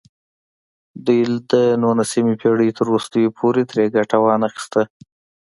دوی د نولسمې پېړۍ تر وروستیو پورې ترې ګټه وانخیسته.